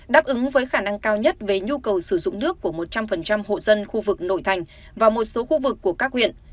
đáp ứng với khả năng cao nhất về nhu cầu sử dụng nước của một trăm linh hộ dân khu vực nội thành và một số khu vực của các huyện